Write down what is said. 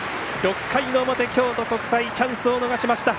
６回の表、京都国際チャンスを逃しました。